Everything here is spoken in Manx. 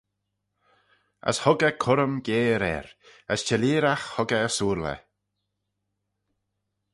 As hug eh currym geyre er, as chelleeragh hug eh ersooyl eh.